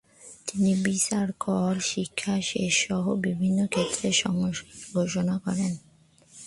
তিনি বিচার, কর, শিক্ষা, সেচসহ বিভিন্ন ক্ষেত্রে সংস্কারের ঘোষণা করেন।